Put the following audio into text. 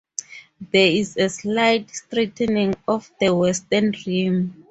There is a slight straightening of the western rim.